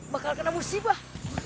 bakal kena musibah